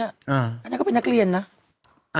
อันนั้นก็เป็นนักเรียนนะ